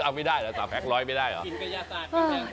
ไม่ได้หรอ๓แพ็ค๑๐๐ไม่ได้หรอ